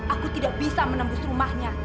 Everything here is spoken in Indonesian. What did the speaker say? aku tidak bisa menembus rumahnya